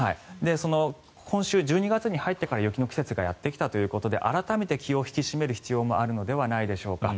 今週１２月に入ってから雪の季節がやってきたということで改めて、気を引き締める必要もあるのではないでしょうか。